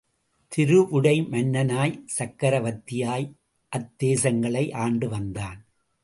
திருவுடை மன்னனாய் சக்கிரவர்த்தியாய் அத்தேசங்களை ஆண்டு வந்தான்.